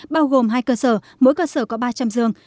bao gồm hai cơ sở mỗi cơ sở có ba trăm linh giường